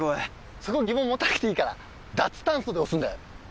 そこ疑問持たなくていいから「ダツタンソ」で押すんだよ。